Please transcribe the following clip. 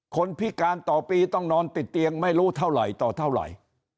พิการต่อปีต้องนอนติดเตียงไม่รู้เท่าไหร่ต่อเท่าไหร่